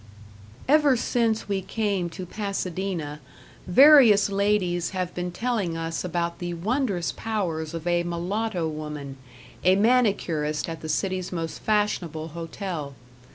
Ever since we came to Pasadena, various ladies have been telling us about the wondrous powers of a mulatto woman, a manicurist at the city's most fashionable hotel.